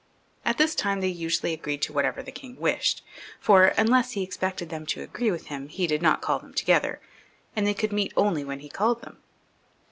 At this time they usually agreed to whatever the king wished, for unless he expected them to agree with him, he did not call them together, and they could meet only when he called them.